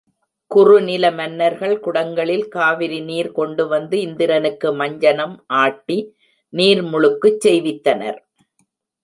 குறுநில மன்னர்கள், குடங்களில் காவிரிநீர் கொண்டுவந்து இந்திரனுக்கு மஞ்சனம் ஆட்டி நீர் முழுக்குச் செய்வித்தனர்.